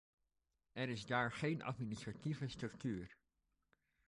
Er is daar geen administratieve structuur.